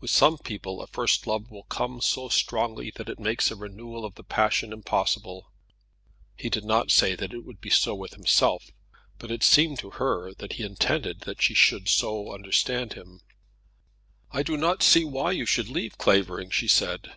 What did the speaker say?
With some people a first love will come so strongly that it makes a renewal of the passion impossible." He did not say that it would be so with himself, but it seemed to her that he intended that she should so understand him. "I do not see why you should leave Clavering," she said.